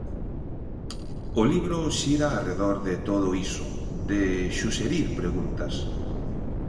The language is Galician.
O libro xira arredor de todo iso, de suxerir preguntas.